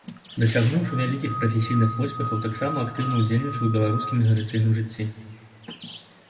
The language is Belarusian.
Дасягнуўшы вялікіх прафесійных поспехаў, таксама актыўна ўдзельнічаў у беларускім эміграцыйным жыцці.